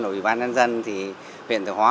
ủy ban nhân dân thì huyện thiệu hóa